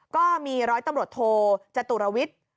ก็มีร้อยตำรวจโทจตุรวิทย์